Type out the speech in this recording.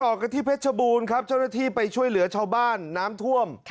ต่อกันที่เพชรบูรณ์ครับเจ้าหน้าที่ไปช่วยเหลือชาวบ้านน้ำท่วม